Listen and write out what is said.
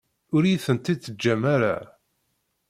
Ur iyi-tent-id-teǧǧam ara.